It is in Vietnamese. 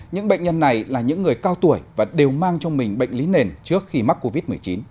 những bệnh nhân này là những người cao tuổi và đều mang trong mình bệnh lý nền trước khi mắc covid một mươi chín